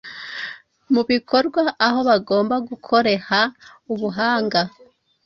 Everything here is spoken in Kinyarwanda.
mubikorwa aho bagomba gukoreha ubuhanga